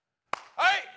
はい！